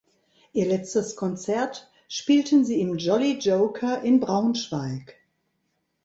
Ihr letztes Konzert spielten sie im "Jolly Joker" in Braunschweig.